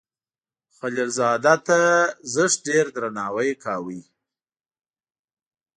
خلیل زاده ته زښت ډیر درناوی کاو.